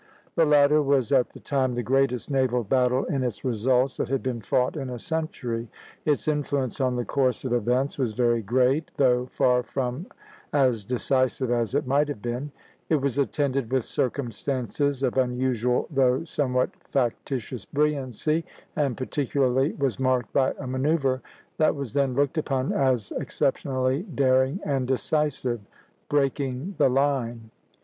The latter was at the time the greatest naval battle in its results that had been fought in a century; its influence on the course of events was very great, though far from as decisive as it might have been; it was attended with circumstances of unusual though somewhat factitious brilliancy, and particularly was marked by a manoeuvre that was then looked upon as exceptionally daring and decisive, "breaking the line."